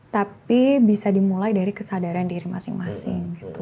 tapi bisa dimulai dari kesadaran diri masing masing